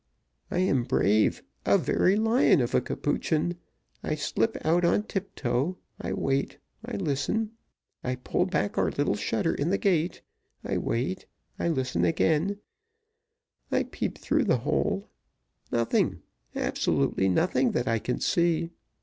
I am brave a very lion of a Capuchin. I slip out on tiptoe I wait I listen I pull back our little shutter in the gate I wait, I listen again I peep through the hole nothing, absolutely nothing that I can see.